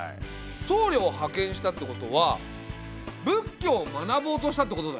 僧侶を派遣したってことは仏教を学ぼうとしたってことだよね？